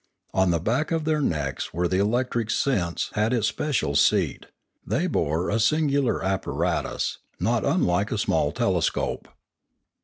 On the back of their necks, where the electric sense had its special seat, they bore a singular apparatus, not unlike a small telescope.